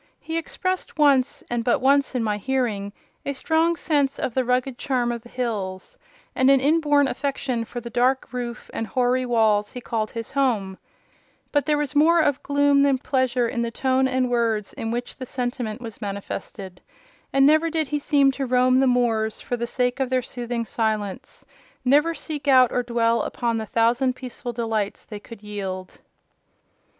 He expressed once, and but once in my hearing, a strong sense of the rugged charm of the hills, and an inborn affection for the dark roof and hoary walls he called his home; but there was more of gloom than pleasure in the tone and words in which the sentiment was manifested; and never did he seem to roam the moors for the sake of their soothing silence—never seek out or dwell upon the thousand peaceful delights they could yield.